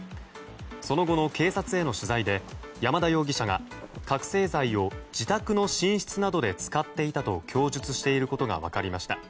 その後の警察への取材で山田容疑者が覚醒剤を自宅の寝室などで使っていたと供述していることが分かりました。